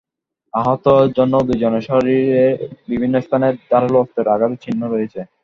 আহত অন্য দুজনের শরীরের বিভিন্ন স্থানে ধারালো অস্ত্রের আঘাতের চিহ্ন রয়েছে।